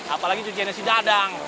apalagi cuciannya si dadang